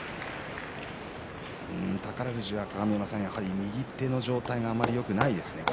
宝富士は、やはり右手の状態があまりよくないですね。